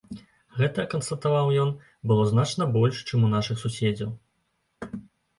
Гэта, канстатаваў ён, было значна больш, чым у нашых суседзяў.